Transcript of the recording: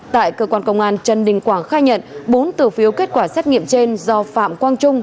tại cơ quan công an trần đình quảng khai nhận bốn từ phiếu kết quả xét nghiệm trên do phạm quang trung